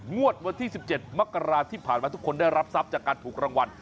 งวดวันที่๑๗มกราที่ผ่านมาทุกคนได้รับทรัพย์จากการถูกรางวัล